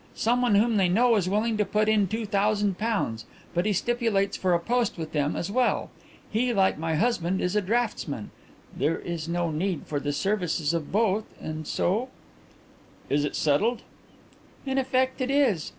Someone whom they know is willing to put in two thousand pounds, but he stipulates for a post with them as well. He, like my husband, is a draughtsman. There is no need for the services of both and so " "Is it settled?" "In effect, it is.